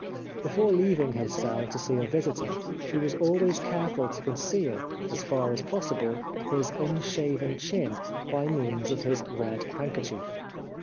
Before leav ing his cell to see a visitor he was always careful to conceal, as far as possible, his unshaven chin by means of his red handkerchief.